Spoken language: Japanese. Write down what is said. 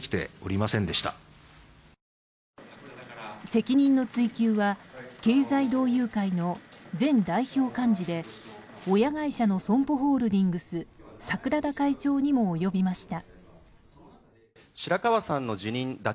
責任の追及は経済同友会の前代表幹事で親会社のＳＯＭＰＯホールディングス櫻田会長にも及びました。